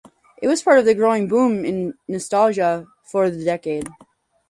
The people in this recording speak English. It was part of the growing boom in nostalgia for the decade.